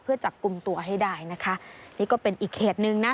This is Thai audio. เพื่อจับกลุ่มตัวให้ได้นะคะนี่ก็เป็นอีกเหตุหนึ่งนะ